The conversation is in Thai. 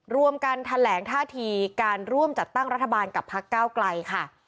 รวมกันแถลงท่าทีการร่วมจัดตั้งรัฐบาลกับพักเก้าไกลค่ะ